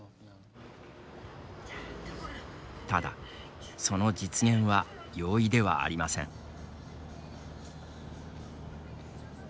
ただ、その実現は容易ではありません。